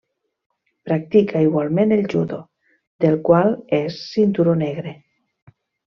Practica igualment el judo, del qual és cinturó negre.